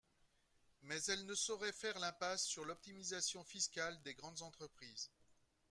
Mais elle ne saurait faire l’impasse sur l’optimisation fiscale des grandes entreprises.